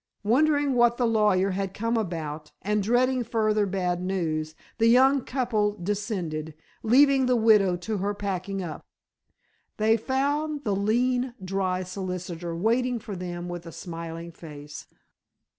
Wondering what the lawyer had come about, and dreading further bad news, the young couple descended, leaving the widow to her packing up. They found the lean, dry solicitor waiting for them with a smiling face.